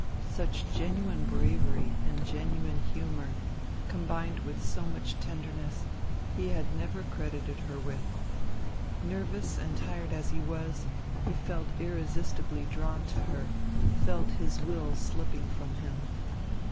Such genuine bravery and genuine humour, combined with so much tenderness, he had never credited her with. Nervous and tired as he was, he felt irresistibly drawn to her, felt his will slipping from him.